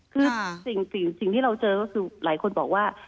คือสิ่งที่เราเจอก็คือหลายคนบอกว่า